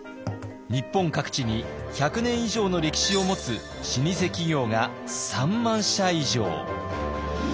日本各地に百年以上の歴史を持つ老舗企業が３万社以上。